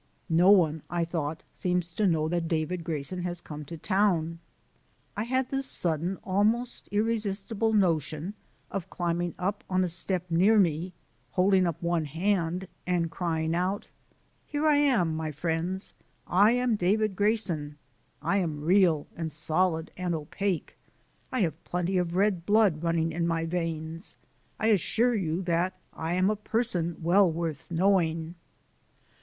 "No one," I thought, "seems to know that David Grayson has come to town." I had the sudden, almost irresistible notion of climbing up a step near me, holding up one hand, and crying out: "Here I am, my friends. I am David Grayson. I am real and solid and opaque; I have plenty of red blood running in my veins. I assure you that I am a person well worth knowing."